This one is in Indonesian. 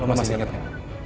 lo masih ingat gak